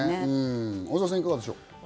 小澤さん、いかがでしょう？